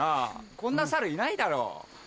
こんな猿いないだろ。